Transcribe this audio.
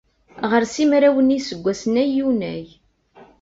Ɣer simraw n yiseggasen ay yunag.